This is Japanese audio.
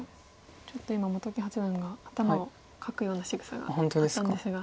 ちょっと今本木八段が頭をかくようなしぐさがあったんですが。